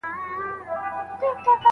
ډاکټره به اوږده پاڼه ړنګه نه کړي.